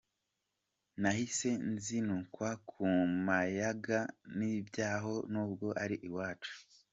Nahise nzinukwa kumayaga nibyaho nubwo ari iwacu.